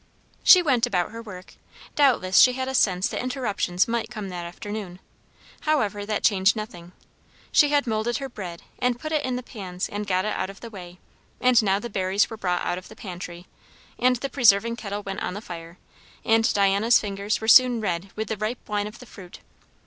She went about her work. Doubtless she had a sense that interruptions might come that afternoon; however, that changed nothing. She had moulded her bread and put it in the pans and got it out of the way; and now the berries were brought out of the pantry, and the preserving kettle went on the fire, and Diana's fingers were soon red with the ripe wine of the fruit.